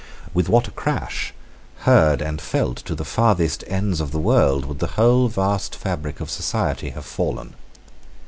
With what a crash, heard and felt to the farthest ends of the world, would the whole vast fabric of society have fallen!